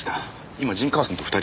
今陣川さんと２人。